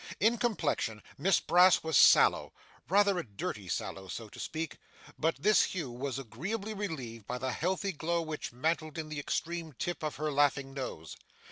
In complexion Miss Brass was sallow rather a dirty sallow, so to speak but this hue was agreeably relieved by the healthy glow which mantled in the extreme tip of her laughing nose.